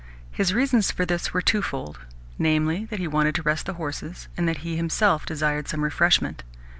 His reasons for this were twofold namely, that he wanted to rest the horses, and that he himself desired some refreshment.